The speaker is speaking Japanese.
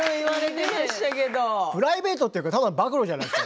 プライベートというかただの暴露じゃないか。